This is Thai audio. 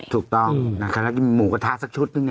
ถูกต้องในขณะที่หมูกระทะสักชุดนึงนะ